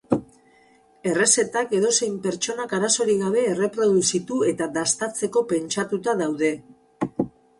Errezetak edozein pertsonak, arazorik gabe, erreproduzitu eta dastatzeko pentsatuta daude.